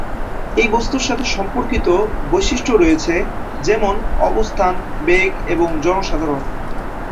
এই বস্তুর সাথে সম্পর্কিত বৈশিষ্ট্য রয়েছে, যেমন, অবস্থান, বেগ এবং জনসাধারণ।